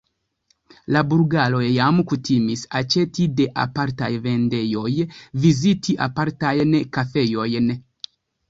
La bulgaroj jam kutimis aĉeti de apartaj vendejoj, viziti apartajn kafejojn.